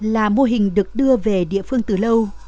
là mô hình được đưa về địa phương từ lâu